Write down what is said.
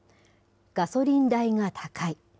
ガソリン代が高い。